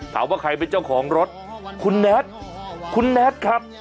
ถามว่าใครเป็นเจ้าของรถคุณแน็ตคุณแน็ตครับ